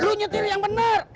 lu nyetir yang bener